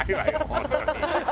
本当に。